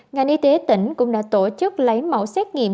ngành y tế tỉnh cũng đã tổ chức lấy mẫu xét nghiệm